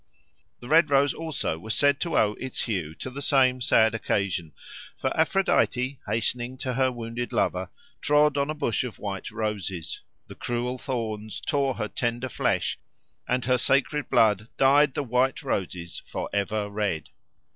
The red rose also was said to owe its hue to the same sad occasion; for Aphrodite, hastening to her wounded lover, trod on a bush of white roses; the cruel thorns tore her tender flesh, and her sacred blood dyed the white roses for ever red.